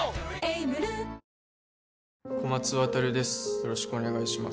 よろしくお願いします